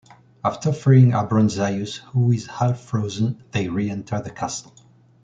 After freeing Abronsius, who is half frozen, they re-enter the castle.